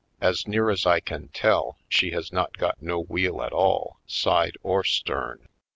As near as I can tell, she has not got no wheel at all, side or stern